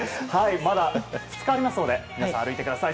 まだ２日ありますので皆さん、歩いてください。